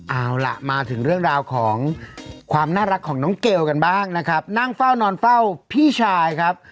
เอาล่ะมาถึงเรื่องราวของความน่ารักของน้องเกลกันบ้างนะครับนั่งเฝ้านอนเฝ้าพี่ชายครับ